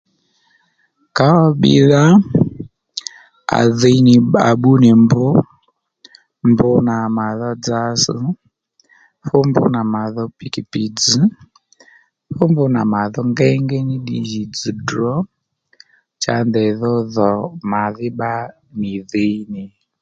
Kǎwà bbìydha à dhiy nì à bbú nì mb, mb nà mà dho dza ss̀ fú mb nà mà dho pìkìpì dzz̀ fú mb nà mà dho ngéyngéy ní ddiy jì dzz̀ drǒ cha ndèy dho dhò màdhí bba nì dhǐy nì